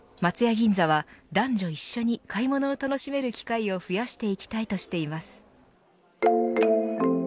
銀座は男女一緒に買い物を楽しめる機会を増やしていきたいとしています。